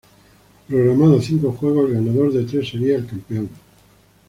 Programada a cinco juegos el ganador de tres sería el campeón.